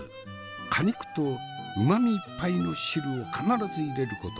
果肉とうまみいっぱいの汁を必ず入れること。